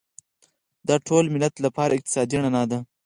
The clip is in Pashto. دا د ټول ملت لپاره اقتصادي رڼا ده.